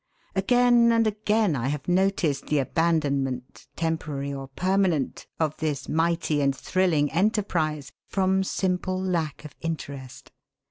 Again and again I have noticed the abandonment, temporary or permanent, of this mighty and thrilling enterprise from simple lack of interest.